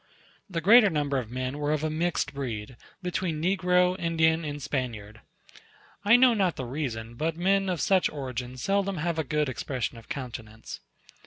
The greater number of men were of a mixed breed, between Negro, Indian, and Spaniard. I know not the reason, but men of such origin seldom have a good expression of countenance.